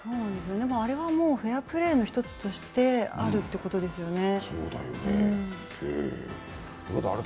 あれはフェアプレーの１つとしてあるということですよね。